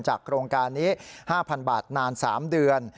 โครงการนี้๕๐๐๐บาทนาน๓เดือน